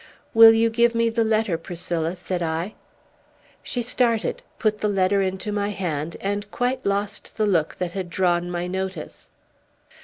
"Will you give me the letter, Priscilla?" said I. She started, put the letter into my hand, and quite lost the look that had drawn my notice.